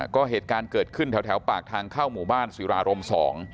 ก็เหตุการณ์เกิดขึ้นแถวปากทางเข้าหมู่บ้านศิรารมสอง